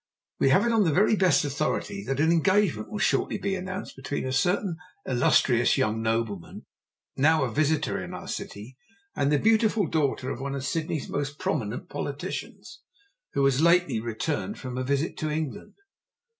We have it on the very best authority that an engagement will shortly be announced between a certain illustrious young nobleman, now a visitor in our city, and the beautiful daughter of one of Sydney's most prominent politicians, who has lately returned from a visit to England.